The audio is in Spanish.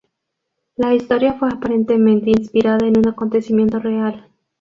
La historia fue aparentemente inspirada en un acontecimiento real.